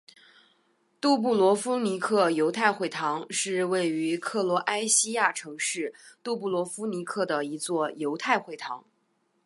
杜布罗夫尼克犹太会堂是位于克罗埃西亚城市杜布罗夫尼克的一座犹太会堂。